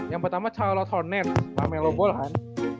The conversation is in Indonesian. yang pertama charlotte hornets pamelo bolhan